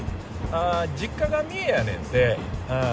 ああ実家が三重やねんてああ